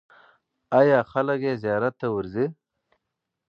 آیا خلک یې زیارت ته ورځي؟